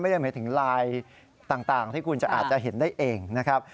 ไม่ได้หมายถึงลายต่างที่คุณจะอาจจะเห็นได้เองนะครับ